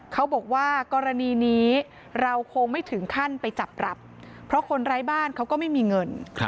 เขาบอกว่ากรณีนี้เราคงไม่ถึงขั้นไปจับรับเพราะคนไร้บ้านเขาก็ไม่มีเงิน